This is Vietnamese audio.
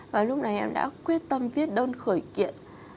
và lúc này em đã quyết tâm viết đơn khởi kiện